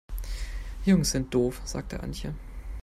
Jungs sind doof, sagt Antje.